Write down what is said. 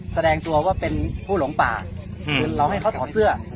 แสดงตัวว่าเป็นผู้หลงป่าคือเราให้เขาถอดเสื้อ